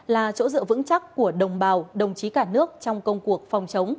là chỗ dựa vững chắc của đồng bào đồng chí cả nước trong công cuộc phòng chống